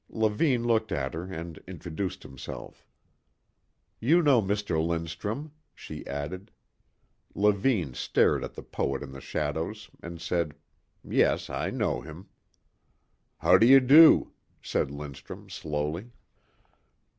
Levine looked at her and introduced himself. "You know Mr. Lindstrum," she added. Levine stared at the poet in the shadows and said, "Yes, I know him." "How do you do," said Lindstrum slowly.